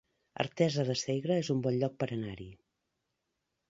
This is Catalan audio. Artesa de Segre es un bon lloc per anar-hi